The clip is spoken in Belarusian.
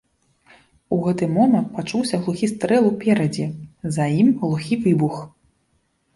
У гэты момант пачуўся глухі стрэл уперадзе, за ім глухі выбух.